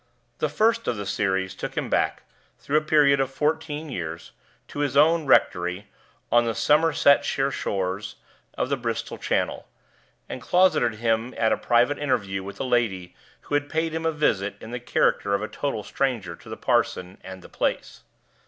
The first of the series took him back, through a period of fourteen years, to his own rectory on the Somersetshire shores of the Bristol Channel, and closeted him at a private interview with a lady who had paid him a visit in the character of a total stranger to the parson and the place.